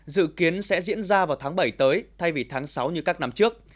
dự kiến sẽ diễn ra vào tháng bảy tới thay vì tháng sáu như các năm trước